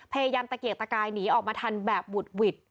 พยายามตะเกียกตะกายหนีออกมาทันแบบบุดหวิด